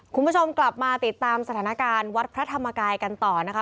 คุณผู้ชมกลับมาติดตามสถานการณ์วัดพระธรรมกายกันต่อนะคะ